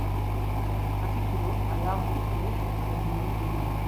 Katikkiro alambudde abalimi b’emmwanyi.